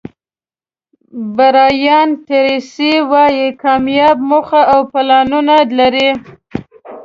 برایان ټریسي وایي کامیاب موخې او پلانونه لري.